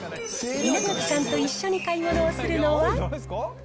稲垣さんと一緒に買い物をするのは。